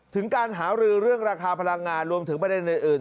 ถึงการหารือเรื่องราคาพลังงานรวมถึงประเด็นอื่น